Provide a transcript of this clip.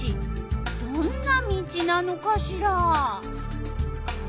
どんな道なのかしら？